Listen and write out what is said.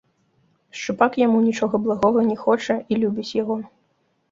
Шчупак яму нічога благога не хоча і любіць яго.